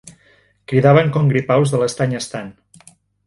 Cridaven com gripaus de l'estany estant.